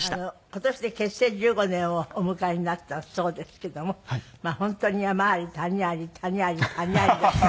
今年で結成１５年をお迎えになったそうですけども本当に山あり谷あり谷あり谷ありだった。